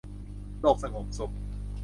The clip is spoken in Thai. โลกสงบสุข